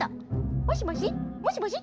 もしもし、もしもし。